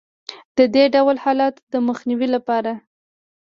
د دې ډول حالت د مخنیوي لپاره